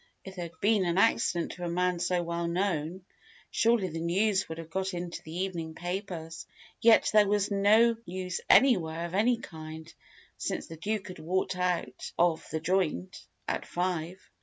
If there had been an accident to a man so well known, surely the news would have got into the evening papers. Yet there was no news anywhere of any kind, since the Duke had walked out of "The Joint" at five.